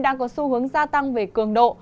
đang có xu hướng gia tăng về cường độ